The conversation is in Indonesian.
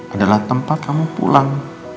adalah tempat kamu pulang